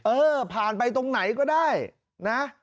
เออผ่านไปตรงไหนก็ได้นะ